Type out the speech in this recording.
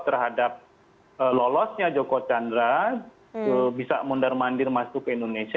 terhadap lolosnya joko chandra bisa mondar mandir masuk ke indonesia